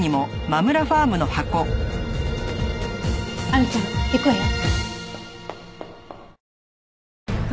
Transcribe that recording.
亜美ちゃん行くわよ。